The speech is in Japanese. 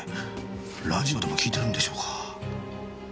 ラジオでも聴いてるんでしょうか。